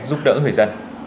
giúp đỡ người dân